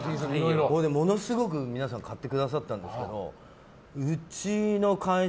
ものすごく皆さん買ってくださったんですけどうちの会社